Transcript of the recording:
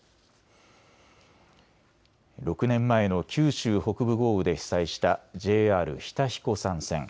６年前の九州北部豪雨で被災したＪＲ日田彦山線。